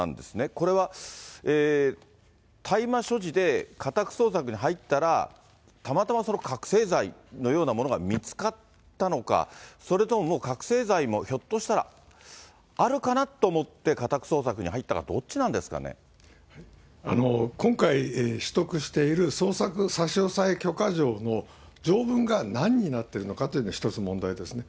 これは大麻所持で家宅捜索に入ったら、たまたまそれ、覚醒剤のようなものが見つかったのか、それとももう、覚醒剤もひょっとしたらあるかなと思って家宅捜索に入ったか、ど今回、取得している捜索差し押さえ許可状の条文が何になってるのかというのが一つ問題ですね。